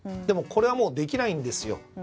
でもこれはできないんですよ。